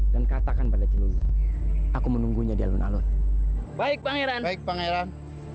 dan katakan pada celulu aku menunggunya di alun alun baik pangeran baik pangeran